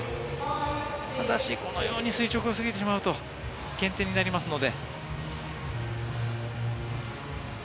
ただし垂直を過ぎてしまうと減点になりますので。